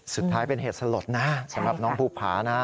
สุดท้ายเป็นเหตุสลดนะสำหรับน้องภูผานะ